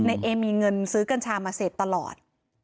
เอมีเงินซื้อกัญชามาเสพตลอด